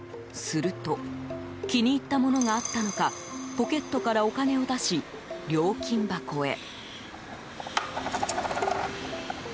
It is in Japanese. すると気に入ったものがあったのかポケットからお金を出し料金箱へ。